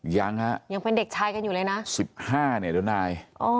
ยังฮะยังเป็นเด็กชายกันอยู่เลยนะ๑๕เนี่ยเดี๋ยวนาย